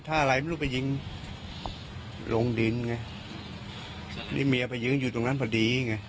ถ้าอะไรไม่รู้ไปยิงลงดินไงนี่เมียไปยืนอยู่ตรงนั้นพอดีไง